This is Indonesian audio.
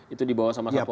itu dibawa sama satpol pp